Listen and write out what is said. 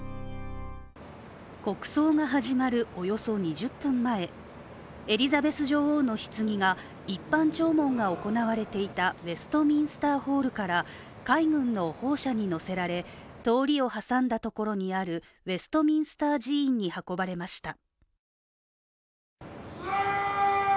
国葬が始まるおよそ２０分前、エリザベス女王のひつぎが一般弔問が行われていたウェストミンスターホールから海軍の砲車に載せられ、通りを挟んだところにあるウェストミンスター寺院に運ばれました。